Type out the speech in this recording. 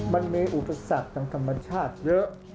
มันมีอุปสรรคทางธรรมชาติเยอะ